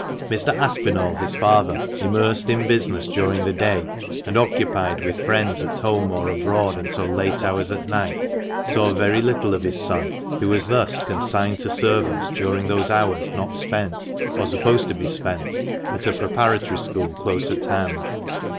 Mr. Aspinall, his father, immersed in business during the day, and occupied with friends at home or abroad until late hours at night, saw very little of his son, who was thus . con signed to servants during those hours not spent, or supposed to be spent, at a preparatory school close at hand.